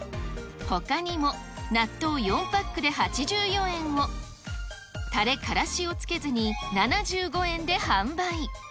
ほかにも納豆４パックで８４円を、たれ、からしをつけずに７５円で販売。